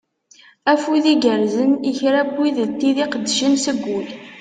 Afud igerzen i kra n wid d tid iqeddcen seg ul.